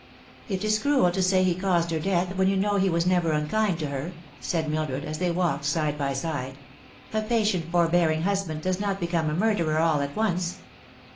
" It is cruel to say he caused her death, when you know he was never unkind to her," said Mildred, as they walked side by side ;" a patient forbearing husband does not become a mur derer all at once."